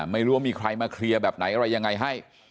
ไม่รู้ว่ามีใครมาเคลียร์แบบไหนอะไรยังไงให้